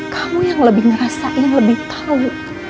kamu yang lebih ngerasain lebih tahu